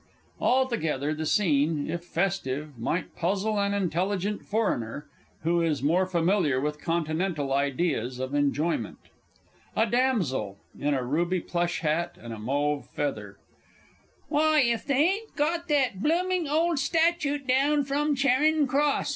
Altogether, the scene, if festive, might puzzle an Intelligent Foreigner who is more familiar with Continental ideas of enjoyment._ A DAMSEL (in a ruby plush hat with a mauve feather). Why, if they yn't got that bloomin' ole statute down from Charin' Cross!